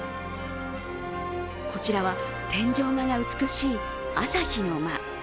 こちらは天井画が美しい朝日の間。